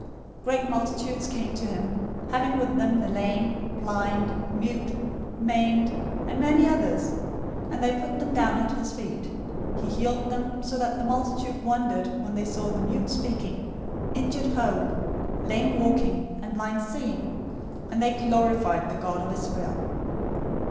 015:030 Great multitudes came to him, having with them the lame, blind, mute, maimed, and many others, and they put them down at his feet. He healed them, 015:031 so that the multitude wondered when they saw the mute speaking, injured whole, lame walking, and blind seeing and they glorified the God of Israel.